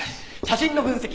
写真の分析